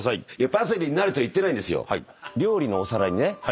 「パセリになれ！」とは言ってないんですよ。